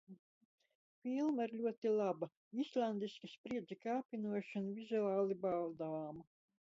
Filma ir ļoti laba. Islandiska, spriedzi kāpinoša un vizuāli baudāma.